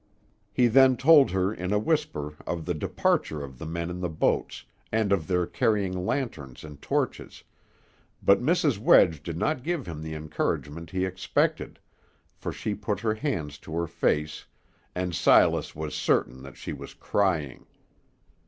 He then told her in a whisper of the departure of the men in the boats, and of their carrying lanterns and torches, but Mrs. Wedge did not give him the encouragement he expected, for she put her hands to her face, and Silas was certain that she was crying.